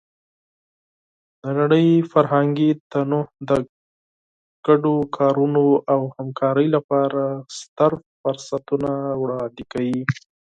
د نړۍ فرهنګي تنوع د ګډو کارونو او همکارۍ لپاره ستر فرصتونه وړاندې کوي.